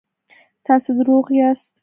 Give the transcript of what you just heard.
تاسو روغ یاست؟